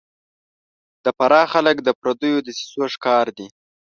د فراه خلک د پردیو دسیسو ښکار دي